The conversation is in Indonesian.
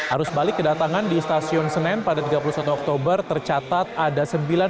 arus balik kedatangan di stasiun senen pada tiga puluh satu oktober tercatat ada sembilan enam ratus dua puluh sembilan